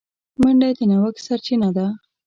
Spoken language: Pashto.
منډه د نوښت سرچینه ده